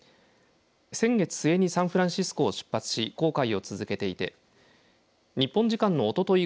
先月末にサンフランシスコを出発し航海を続けていて日本時間のおととい